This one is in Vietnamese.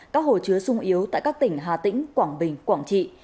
các hồ chứa sung yếu tại các tỉnh hà tĩnh quảng bình quảng trị